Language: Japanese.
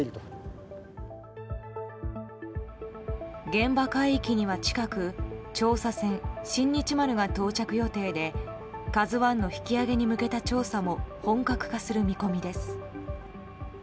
現場海域には近く調査船「新日丸」が到着予定で「ＫＡＺＵ１」の引き揚げに向けた調査も本格化する見込みです。